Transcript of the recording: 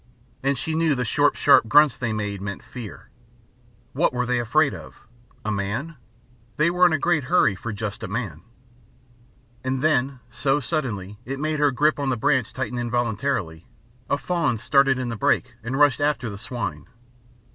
And she knew the short, sharp grunts they made meant fear. What were they afraid of? A man? They were in a great hurry for just a man. And then, so suddenly it made her grip on the branch tighten involuntarily, a fawn started in the brake and rushed after the swine.